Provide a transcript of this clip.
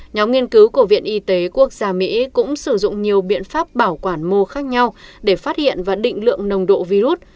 nhóm nghiên cứu của viện y tế quốc gia mỹ cũng sử dụng nhiều biện pháp bảo quản mô khác nhau để phát hiện và định lượng nồng độ virus